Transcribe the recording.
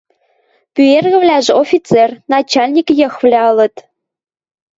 Пӱэргӹвлӓжӹ офицер, начальник йыхвлӓ ылыт.